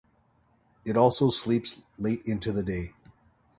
It also sleeps late into the day.